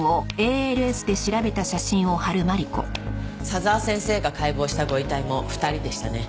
佐沢先生が解剖したご遺体も２人でしたね。